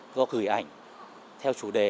gói gửi ảnh theo chủ đề